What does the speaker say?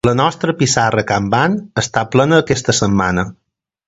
La nostra pissarra Kanban està plena aquesta setmana.